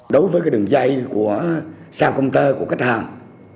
đối với cái đường dây của sang công tơ của khách hàng